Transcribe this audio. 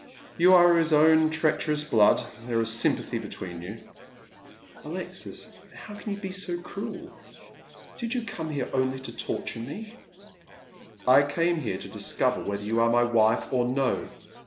You are of his own ti eacherous blood. There is sympathy between you." " Alexis, how can you be so cruel ? Did you como here only to torture me ?"*' I came here to discover whether you are my wife or no.